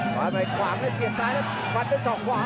ขวางแล้วเสียด้ายแล้วฟันด้วย๒ขวา